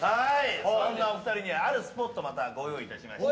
そんなお二人にあるスポットをご用意いたしました。